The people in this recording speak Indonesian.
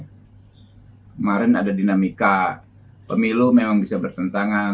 kemarin ada dinamika pemilu memang bisa bertentangan